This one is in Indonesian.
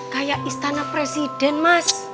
kayak istana presiden mas